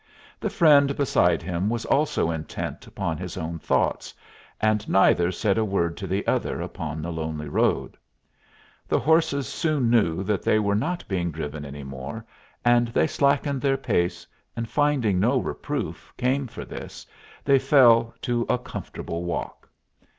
The friend beside him was also intent upon his own thoughts, and neither said a word to the other upon the lonely road. The horses soon knew that they were not being driven any more, and they slackened their pace, and finding no reproof came for this, they fell to a comfortable walk.